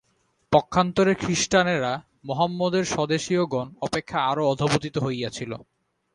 পক্ষান্তরে খ্রীষ্টানেরা মহম্মদের স্বদেশীয়গণ অপেক্ষা আরও অধঃপতিত হইয়াছিল।